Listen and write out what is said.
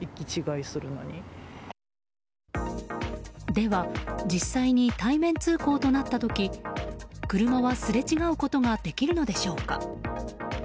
では実際に対面通行となった時車は、すれ違うことができるのでしょうか。